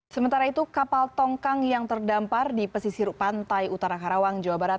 sementara itu kapal tongkang yang terdampar di pesisir pantai utara karawang jawa barat